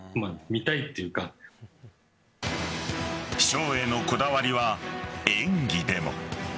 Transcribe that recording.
ショーへのこだわりは演技でも。